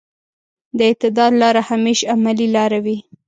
د اعتدال لاره همېش عملي لاره وي.